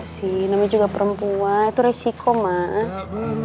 namanya juga perempuan itu resiko mas